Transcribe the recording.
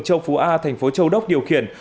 châu phú a thành phố châu đốc điều khiển